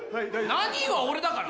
「なに⁉」は俺だから。